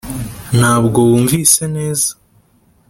ntabwo wumvise neza